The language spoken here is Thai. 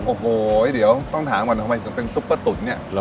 โอ้โหเดี๋ยวต้องถามก่อนทำไมถึงเป็นซุปเปอร์ตุ๋นเนี่ย